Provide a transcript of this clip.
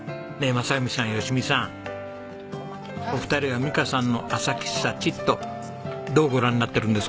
お二人は美香さんの朝喫茶ちっとどうご覧になってるんですか？